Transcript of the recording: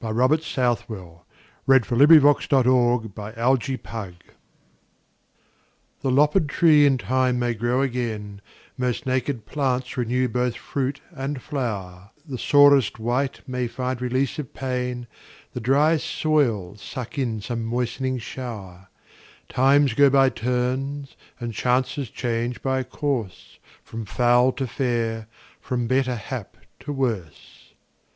Robert Southwell. 1561–95 108. Times go by Turns THE loppèd tree in time may grow again, Most naked plants renew both fruit and flower; The sorest wight may find release of pain, The driest soil suck in some moist'ning shower; Times go by turns and chances change by course, 5 From foul to fair, from better hap to worse.